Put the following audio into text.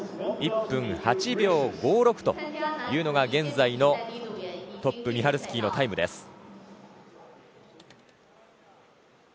１分８秒５６というのが現在のトップミハルスキーのタイムです。